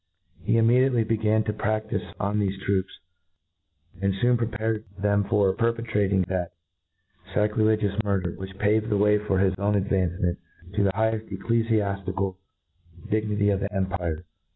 He im mediately began to praftife on thefe troops, and . foon prepared them for perpetrating that facri Icgious murder, which paved the way for his own advancement to the higheft eccl^aflical dignity of the empire.